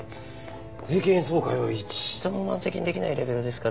定期演奏会を一度も満席にできないレベルですから。